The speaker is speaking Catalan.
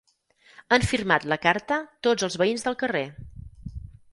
Han firmat la carta tots els veïns del carrer.